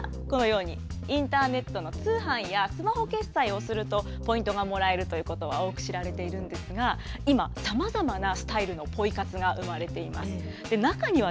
例えば、このようにインターネットの通販やスマホ決済をすると、ポイントがもらえるということは多く知られているんですが、今、さまざまなスタイルのポイ活が生まれています。